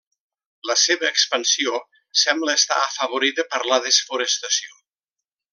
La seva expansió sembla estar afavorida per la desforestació.